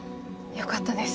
よかったです。